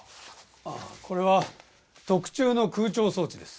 ああこれは特注の空調装置です